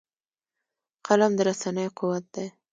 قلم د رسنۍ قوت دی